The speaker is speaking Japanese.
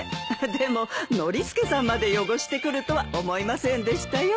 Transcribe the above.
でもノリスケさんまで汚してくるとは思いませんでしたよ。